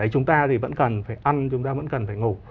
chúng ta thì vẫn cần phải ăn chúng ta vẫn cần phải ngủ